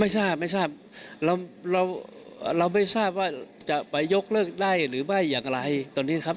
ไม่สาบไม่สาบเราเราเราไม่ทราบว่าจะไปยกเลิกได้หรือไปอย่างอะไรตอนนี้ครับ